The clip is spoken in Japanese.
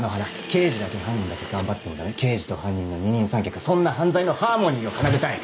刑事だけ犯人だけ頑張ってもダメ刑事と犯人の二人三脚そんな犯罪のハーモニーを奏でたい！